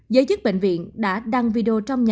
giới chức bệnh viện đã đăng video trong nhà